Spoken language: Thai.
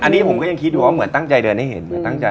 อันนี้ผมก็ยังคิดดูว่าเหมือนตั้งใจเดินให้เห็น